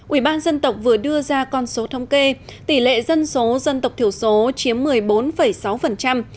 ủy ban dân tộc vừa đưa ra con số thống kê tỷ lệ dân số dân tộc thiểu số chiếm một mươi bốn sáu